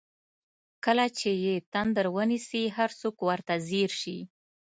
کله چې یې تندر ونیسي هر څوک ورته ځیر شي.